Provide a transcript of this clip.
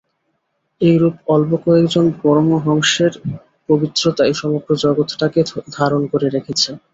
এইরূপ অল্প কয়েকজন পরমহংসের পবিত্রতাই সমগ্র জগৎটাকে ধারণ করে রেখেছে।